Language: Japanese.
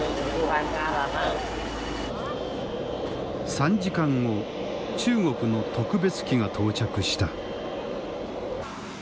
３時間後中国の特別機が到着した。